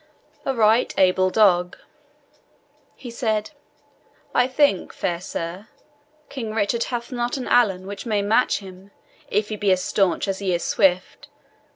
"A right able dog," he said. "I think, fair sir, King Richard hath not an ALAN which may match him, if he be as stanch as he is swift.